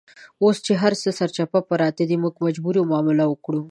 اوس چې هرڅه سرچپه پراته دي، موږ مجبور یو معامله وکړو.